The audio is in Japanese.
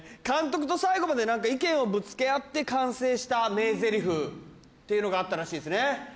監督と最後まで意見をぶつけ合って完成した名台詞っていうのがあったらしいですね。